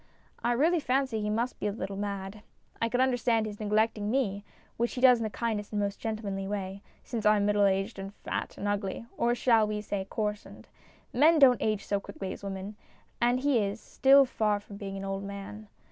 I really fancy he must be a little mad. I could understand his neglecting me, which he does in the kindest and most gentle manly way, since I am middle aged and fat and ugly or shall we say " coarsened ?" Men don't age so quickly as women, and he is still far from being an old man.